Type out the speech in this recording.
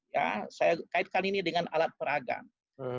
ya saya kaitkan ini dengan alat peragam